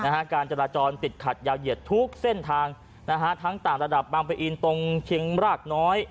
การจราจรติดขัดยาวเหยียดทุกเส้นทางนะฮะทั้งต่างระดับบางปะอินตรงเชียงรากน้อย